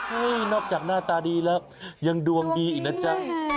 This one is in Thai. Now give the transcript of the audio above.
นี่นอกจากหน้าตาดีแล้วยังดวงดีอีกนะจ๊ะ